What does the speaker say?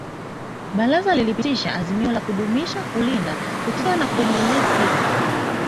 Baraza lilipitisha azimio la kudumisha kulinda kutetea na kuendeleza fikra